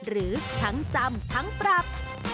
หรือทั้งจำทั้งปรับ